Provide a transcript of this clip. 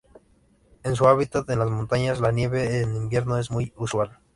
En su hábitat en las montañas la nieve en invierno es muy usual.